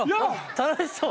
楽しそう！